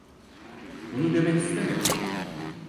Bunu demek istemedim.